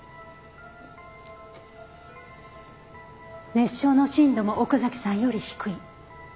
熱傷の深度も奥崎さんより低い。